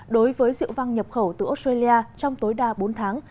đối với rượu vang nhập khẩu từ australia trong tối đa bốn tháng